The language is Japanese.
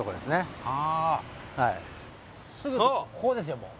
すぐここですよもう。